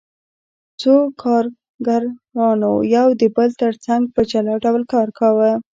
څو کارګرانو یو د بل ترڅنګ په جلا ډول کار کاوه